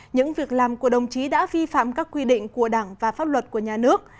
những việc làm của đồng chí đã vi phạm các quy định của đảng và pháp luật của nhà nước